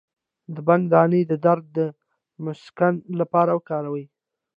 د بنګ دانه د درد د مسکن لپاره وکاروئ